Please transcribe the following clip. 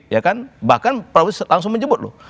bahkan pak prabowo langsung menyebut